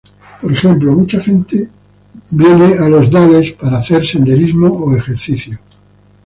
Por ejemplo, mucha gente viene a los "Dales" para hacer senderismo o ejercicio.